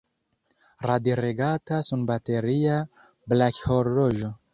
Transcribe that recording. Radiregata sunbateria brakhorloĝo.